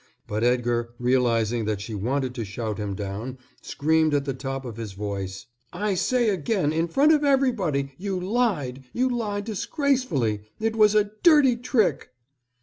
But Edgar, realizing that she wanted to shout him down, screamed at the top of his voice: "I say again, in front of everybody, you lied, you lied disgracefully. It was a dirty trick."